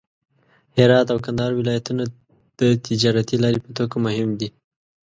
هرات او کندهار ولایتونه د تجارتي لارې په توګه مهم دي.